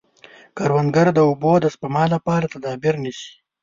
کروندګر د اوبو د سپما لپاره تدابیر نیسي